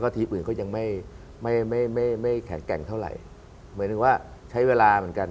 ทีมอื่นก็ยังไม่ไม่ไม่แข็งแกร่งเท่าไหร่หมายถึงว่าใช้เวลาเหมือนกัน